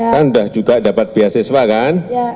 kan udah juga dapat biasiswa kan